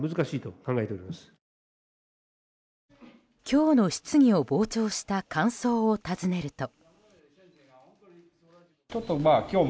今日の質疑を傍聴した感想を尋ねると。